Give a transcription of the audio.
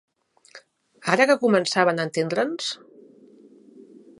Ara que començaven a entendre'ns...